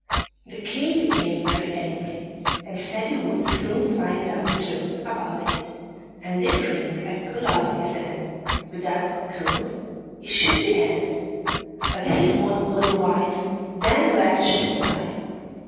The King became very angry, and said he would soon find out the truth about it, and if Ring had cut off his hand without good cause he should be hanged; but if it was otherwise, then Red should die.